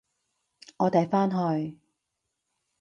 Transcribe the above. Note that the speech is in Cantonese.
我哋返去！